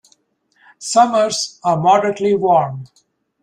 Summers are moderately warm.